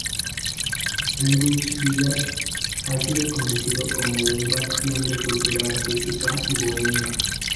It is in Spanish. Greenwich Village ha sido conocido como un bastión de cultura artística y bohemia.